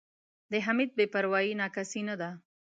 د حمید بې پروایي نا کسۍ نه ده.